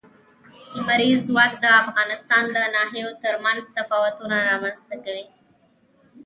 لمریز ځواک د افغانستان د ناحیو ترمنځ تفاوتونه رامنځ ته کوي.